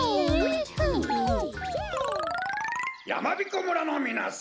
やまびこ村のみなさん